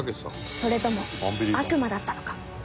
それとも悪魔だったのか？